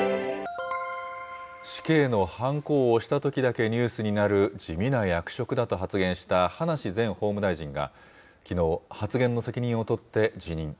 死刑のはんこを押したときだけニュースになる地味な役職だと発言した葉梨前法務大臣が、きのう、発言の責任を取って辞任。